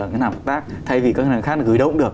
ngân hàng hợp tác thay vì các ngân hàng khác gửi đâu cũng được